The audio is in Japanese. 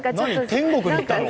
天国に行ったの？